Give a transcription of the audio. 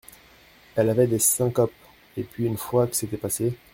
Elle avait des syncopes ! et puis, une fois que c’était passé…